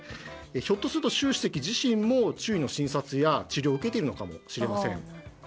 ひょっとすると習主席も中医の診療を受けているのかもしれません。